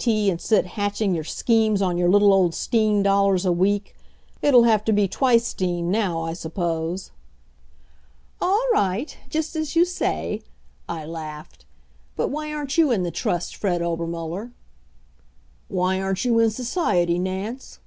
T. and sit hatching your schemes on your little old 'steen dollars a week! ... It'll have to be twice 'steen, now, I suppose?" "All right, just as you say," I laughed. "But why aren't you in the Trust, Fred Obermuller?" "Why aren't you in society, Nance?"